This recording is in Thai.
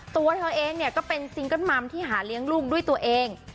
ตัวเธอเองเนี่ยก็เป็นซิงเกิ้ลมัมที่หาเลี้ยงลูกด้วยตัวเอง